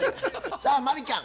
さあ真理ちゃん